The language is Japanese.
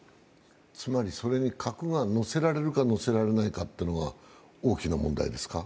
つまり、それに核が載せられるか、載せられないかは大きな問題ですか？